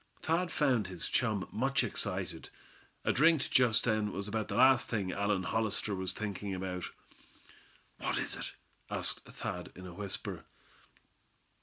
Thad found his chum much excited. A drink just then was about the last thing Allan Hollister was thinking about. "What is it?" asked Thad, in a whisper.